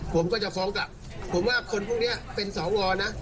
ผมก็จะฟ้องกลับผมว่าคนพวกนี้เป็นสวนะ